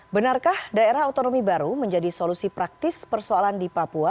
benarkah daerah otonomi baru menjadi solusi praktis persoalan di papua